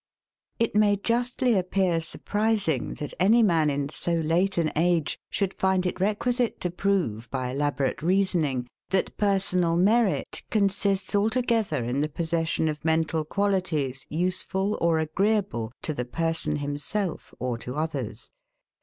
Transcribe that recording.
IT may justly appear surprising that any man in so late an age, should find it requisite to prove, by elaborate reasoning, that Personal Merit consists altogether in the possession of mental qualities, USEFUL or AGREEABLE to the PERSON HIMSELF or to OTHERS.